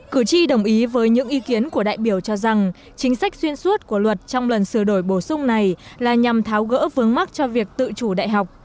cử tri đồng ý với những ý kiến của đại biểu cho rằng chính sách xuyên suốt của luật trong lần sửa đổi bổ sung này là nhằm tháo gỡ vướng mắt cho việc tự chủ đại học